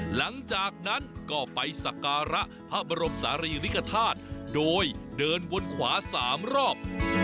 หลังจากนั้นก็ไปสักการะพระบรมศาลีริกฐาตุโดยเดินวนขวา๓รอบ